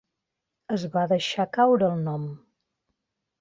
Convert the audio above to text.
Es va deixar caure el nom.